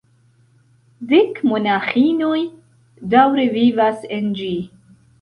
Dek monaĥinoj daŭre vivas en ĝi.